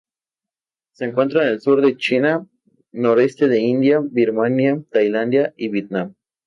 Se encuentra en el sur de China, noreste de India, Birmania, Tailandia y Vietnam.